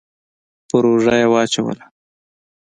پر اوږه يې واچوله.